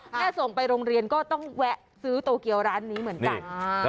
ส่งไปโรงเรียนก็ต้องแวะซื้อโตเกียวร้านนี้เหมือนกัน